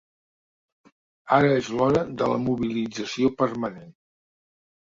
Ara és l’hora de la mobilització permanent